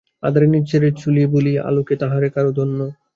আঁধারে নিজেরে ছিল ভুলি, আলোকে তাহারে করো ধন্য।